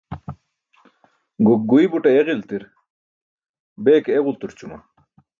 Gok guiy but ayeġiltir, bee ke eġulturćuma.